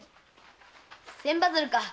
千羽鶴か。